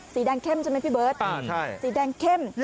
สีแดงเข้มใช่ไหมพี่เบิร์ตสีแดงเข้มใช่ไหมพี่เบิร์ตใช่